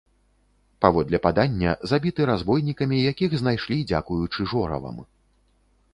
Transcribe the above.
Паводле падання, забіты разбойнікамі, якіх знайшлі дзякуючы жоравам.